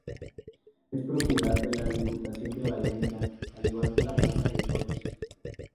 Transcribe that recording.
Es propiedad de la Diputación de Valencia, al igual que la plaza de toros.